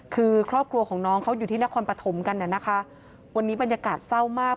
คือครอบครัวของน้องเขาอยู่ที่นครปฐมกันน่ะนะคะวันนี้บรรยากาศเศร้ามาก